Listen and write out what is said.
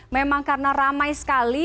memang karena ramai sekali